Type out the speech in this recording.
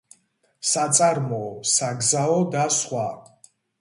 საწარმოო, საგზაო და სხვა.